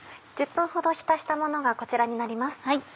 １０分ほど浸したものがこちらになります。